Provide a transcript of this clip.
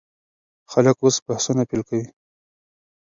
خلک اوس بحثونه پیل کوي.